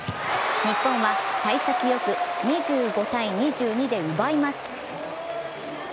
日本はさい先よく２５−２２で奪います。